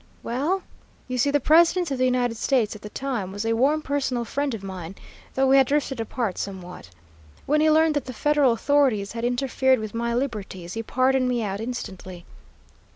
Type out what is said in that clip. "'Well, you see the President of the United States at that time was a warm personal friend of mine, though we had drifted apart somewhat. When he learned that the Federal authorities had interfered with my liberties, he pardoned me out instantly.'